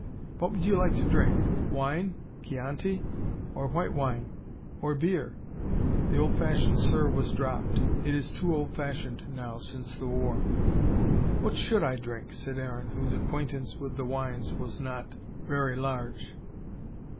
"What would you like to drink? Wine? Chianti? Or white wine? Or beer?" The old fashioned "Sir" was dropped. It is too old fashioned now, since the war. "What SHOULD I drink?" said Aaron, whose acquaintance with wines was not very large.